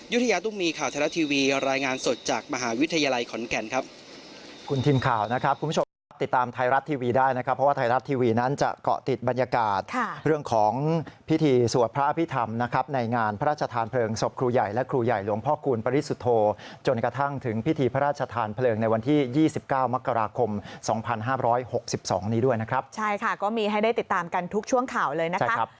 อยุธยาตุงมีคลาวไทรลัดทีวีรายงานสดจากมหาวิทยาลัยขอนแก่น